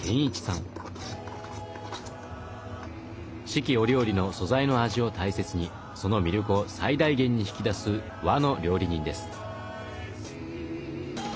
四季折々の素材の味を大切にその魅力を最大限に引き出す和の料理人です。